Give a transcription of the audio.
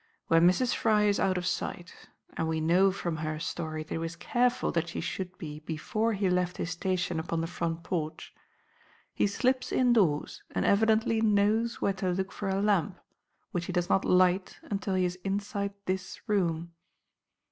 When Mrs. Fry is out of sight and we know, from her story, that he was careful that she should be before he left his station upon the front porch he slips indoors and evidently knows where to look for a lamp, which he does not light until he is inside this room."